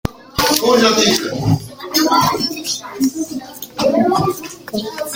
The appended postfixes are written as bit strings.